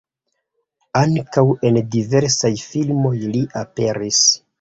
Ankaŭ en diversaj filmoj li aperis.